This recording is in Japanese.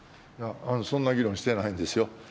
そんな議論してないんですよ。